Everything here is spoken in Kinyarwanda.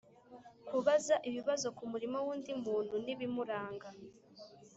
kubaza ibibazo ku murimo w‘undi muntu n‘ibimuranga.